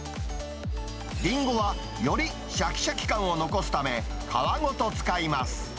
リンゴはよりしゃきしゃき感を残すため、皮ごと使います。